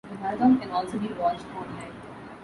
The Marathon can also be watched online.